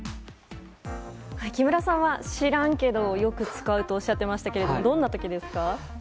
木村さんは「知らんけど」をよく使うとおっしゃっていましたがどんな時ですか？